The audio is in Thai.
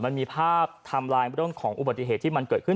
มันมีภาพไทม์ไลน์ของอุบัติเหตุที่มันเกิดขึ้น